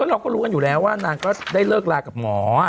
เราก็รู้กันอยู่แล้วว่านางก็ได้เลิกลากับหมอ